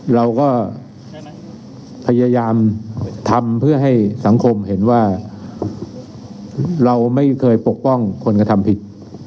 เราก็พยายามทำเพื่อให้สังคมเห็นว่าเราไม่เคยปกป้องคนกระทำผิด